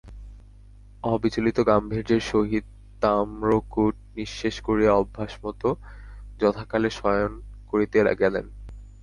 অবিচলিত গাম্ভীর্যের সহিত তাম্রকূট নিঃশেষ করিয়া অভ্যাসমত যথাকালে শয়ন করিতে গেলেন।